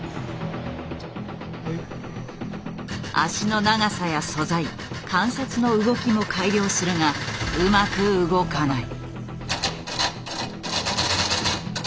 脚の長さや素材関節の動きも改良するがうまく動かない。